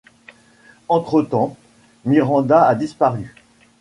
Entretemps, Miranda a disparu.